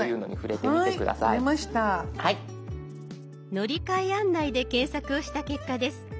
「乗り換え案内」で検索をした結果です。